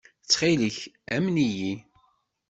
Ttxil-k, amen-iyi.